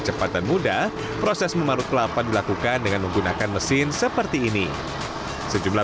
cepat dan mudah proses memarut kelapa dilakukan dengan menggunakan mesin seperti ini sejumlah